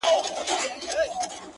نه هنر وي چا ته پاته د لوستلو -